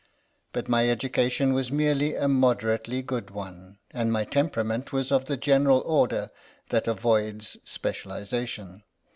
But my education was merely a moderately good one, and my temperament was of the general order that avoids specialisation.